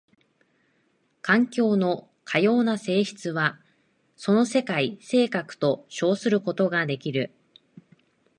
環境のかような性質はその世界性格と称することができる。